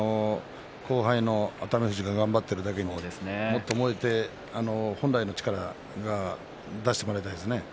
後輩の熱海富士が頑張っているだけにもっと燃えて本来の力を出してもらいたいですね。